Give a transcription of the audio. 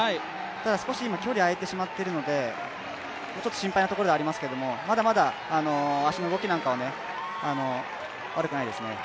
ただ少し今、距離、開いてしまっているので心配なところはありますけれどもまだまだ足の動きなんか、悪くないですね。